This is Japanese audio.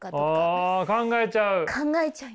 あ考えちゃう？